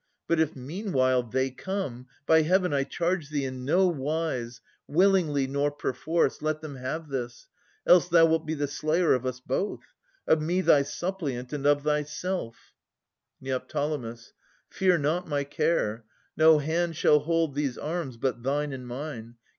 But if meanwhile They come, — by Heaven I charge thee, in no wise, Willingly nor perforce, let them have this ! Else thou wilt be the slayer of us both ; Of me thy suppliant, and of thyself Neo. Fear not my care. No hand shall hold these aiins But thine and mine.